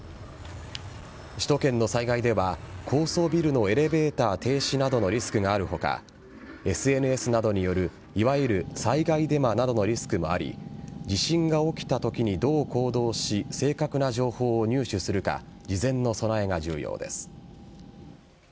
首都圏の災害では高層ビルのエレベーター停止などのリスクがある他ＳＮＳなどによるいわゆる災害デマなどのリスクもあり地震が起きたときにどう行動しどう正確な情報を入手するか事前の備えが重要です。